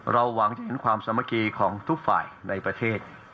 เราหวังจะเห็นความสมกรีของทุกฝ่ายในประเทศ